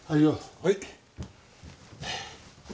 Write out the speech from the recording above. はい。